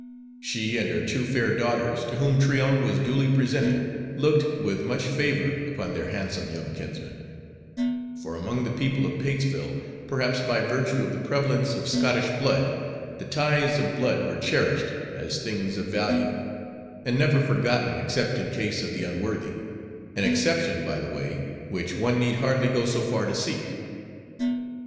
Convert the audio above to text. She and her two fair daughters, to whom Tryon was duly presented, looked with much favor upon their handsome young kinsman; for among the people of Patesville, perhaps by virtue of the prevalence of Scottish blood, the ties of blood were cherished as things of value, and never forgotten except in case of the unworthy an exception, by the way, which one need hardly go so far to seek.